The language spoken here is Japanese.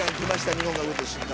『日本が動いた瞬間